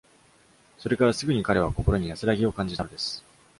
それからすぐに彼は心に安らぎを感じたのです。